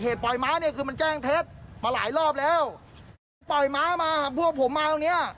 ปล่อยม้าเนี่ยคือมันแจ้งเท็จมาหลายรอบแล้วผมปล่อยม้ามาพวกผมมาตรงเนี้ย